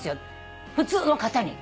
普通の方に。